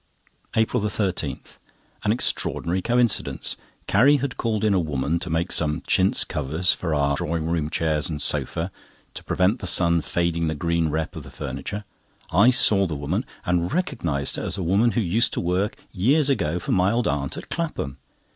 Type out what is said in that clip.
APRIL 13.—An extraordinary coincidence: Carrie had called in a woman to make some chintz covers for our drawing room chairs and sofa to prevent the sun fading the green rep of the furniture. I saw the woman, and recognised her as a woman who used to work years ago for my old aunt at Clapham.